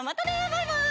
バイバイ！